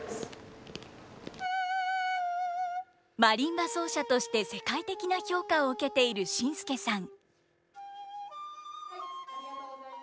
マリンバ奏者として世界的な評価を受けているＳＩＮＳＫＥさん。